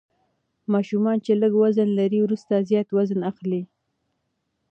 ماشومان چې لږ وزن لري وروسته زیات وزن اخلي.